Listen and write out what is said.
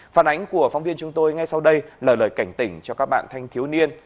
phản ánh của phóng viên chúng tôi ngay sau đây là lời cảnh tỉnh cho các bạn thanh thiếu niên